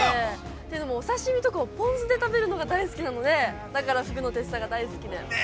お刺身とかをポン酢で食べるのが大好きなので、だから、ふぐのてっさが大好きで。